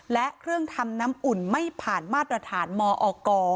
และเครื่องทำน้ำอุ่นไม่ผ่านมาตรฐานมอก